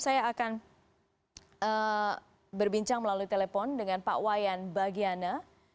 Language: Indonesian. saya akan berbincang melalui telepon dengan pak wayan bagiana